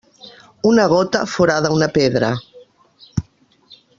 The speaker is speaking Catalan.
Una gota forada una pedra.